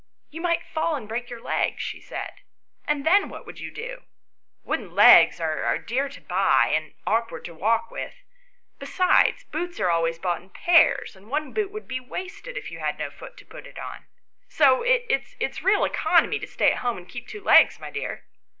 " You might fall and break your leg," she said ;" and then what would you do ? Wooden legs are dear to buy and awkward to walk with; besides boots are always bought in pairs, and one boot would be wasted if you had no foot to put it on, so it is real economy to stay at home and keep two legs, my dear!"